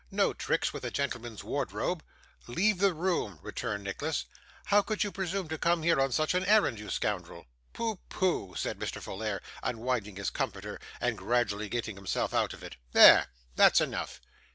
No tricks with a gentleman's wardrobe.' 'Leave the room,' returned Nicholas. 'How could you presume to come here on such an errand, you scoundrel?' 'Pooh! pooh!' said Mr. Folair, unwinding his comforter, and gradually getting himself out of it. 'There that's enough.